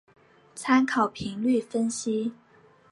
参考频率分析。